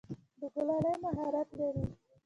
د کلالۍ مهارت لری؟